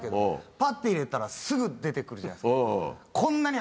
パッて入れたらすぐ出て来るじゃないですか。